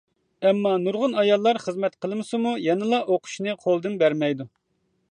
ئەمما نۇرغۇن ئاياللار خىزمەت قىلمىسىمۇ، يەنىلا ئوقۇشنى قولدىن بەرمەيدۇ.